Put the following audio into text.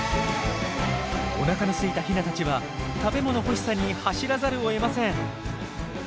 おなかのすいたヒナたちは食べ物欲しさに走らざるをえません。